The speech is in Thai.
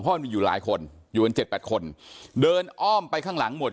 เพราะมีอยู่หลายคนอยู่บน๗๘คนเดินอ้อมไปข้างหลังหมวด